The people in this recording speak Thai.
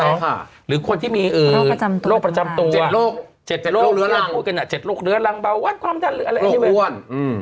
ได้คือคนที่มีโรคประจำโตเช็ดโรคเรื้อรังเบาวัดความดันรกอ้วน